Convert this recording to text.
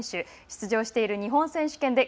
出場している日本選手権で